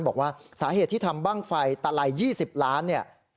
บอกว่าสาเหตุที่ทำบ้างไฟตะไล๒๐ล้านเนี่ย